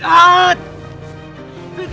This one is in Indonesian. saya akan menang